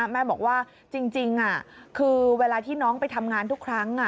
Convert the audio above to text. แม่บอกว่าจริงคือเวลาที่น้องไปทำงานทุกครั้ง